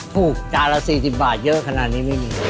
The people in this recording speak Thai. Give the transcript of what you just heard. จานละ๔๐บาทเยอะขนาดนี้ไม่มี